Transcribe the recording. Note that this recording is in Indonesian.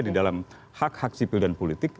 di dalam hak hak sipil dan politik